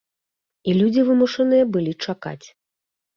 І людзі вымушаныя былі чакаць.